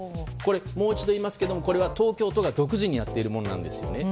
もう一度言いますがこれは東京都が独自にやっているものなんですよね。